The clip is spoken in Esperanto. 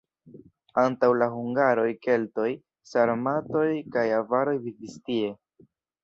Antaŭ la hungaroj keltoj, sarmatoj kaj avaroj vivis tie.